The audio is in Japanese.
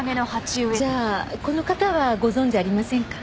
じゃあこの方はご存じありませんか？